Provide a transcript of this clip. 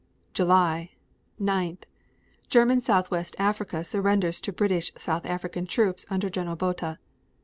July 9. German Southwest Africa surrenders to British South African troops under Gen. Botha.